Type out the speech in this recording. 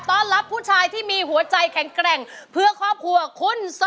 ด้านล่างเขาก็มีความรักให้กันนั่งหน้าตาชื่นบานมากเลยนะคะ